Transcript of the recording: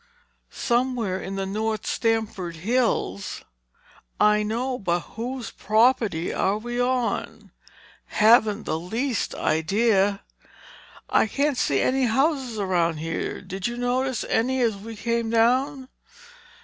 "Somewhere in the North Stamford hills." "I know—but whose property are we on?" "Haven't the least idea." "I can't see any houses around here. Did you notice any as you came down?"